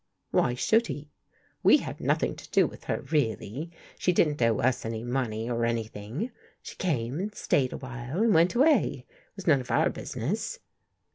Why should he? We had nothing to do with her really. She didn't owe us any money or anything. She came and stayed a while and went away. It was none of our business."